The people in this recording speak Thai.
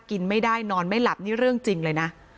กินไม่ได้นอนไม่หลับนี่เรื่องจริงเลยนะ